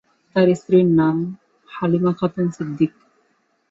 তার স্ত্রীর নাম হালিমা খাতুন সিদ্দিক।